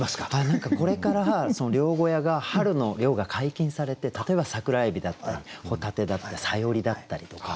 何かこれからその漁小屋が春の漁が解禁されて例えば桜エビだったりホタテだったりサヨリだったりとか。